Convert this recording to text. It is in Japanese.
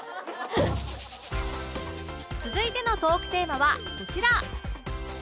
続いてのトークテーマはこちら